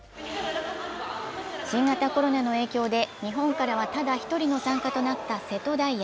新型コロナの影響で日本からはただ一人の参加となった瀬戸大也。